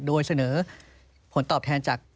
โดยเสนอผลตอบแทนจาก